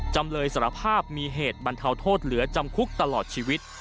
จำเลยสารภาพมีเหตุบรรเทาโทษเหลือจำคุกตลอดชีวิต